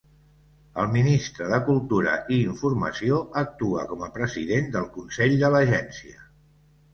El ministre de cultura i informació actua com a president del consell de l'agència.